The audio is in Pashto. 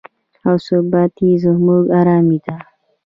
او ثبات یې زموږ ارامي ده.